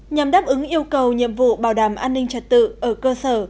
nhằm đáp ứng yêu cầu nhiệm vụ bảo đảm an ninh trật tự ở cơ sở